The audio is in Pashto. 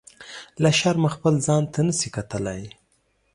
له شرمه خپل ځان ته نه شي کتلی.